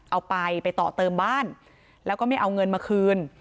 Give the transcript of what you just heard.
เอาไปไปต่อเติมบ้านแล้วก็ไม่เอาเงินมาคืน